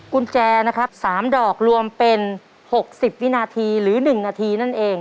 กุญแจนะครับ๓ดอกรวมเป็น๖๐วินาทีหรือ๑นาทีนั่นเอง